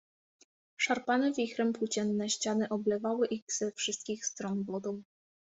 Szarpane wichrem płócienne ściany oblewały ich ze wszystkich stron wodą.